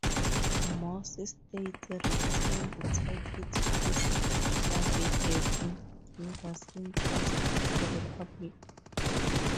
Most states retained title to these navigable rivers in trust for the public.